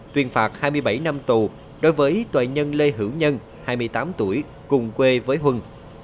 tuyên phạt hai mươi bảy năm tù đối với tội nhân lê hữu nhân hai mươi tám tuổi cùng quê với huân